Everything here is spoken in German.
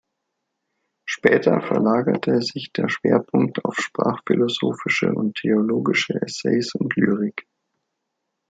Später verlagerte sich der Schwerpunkt auf sprachphilosophische und theologische Essays und Lyrik.